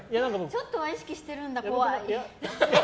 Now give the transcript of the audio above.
ちょっとは意識してるんだ、怖い。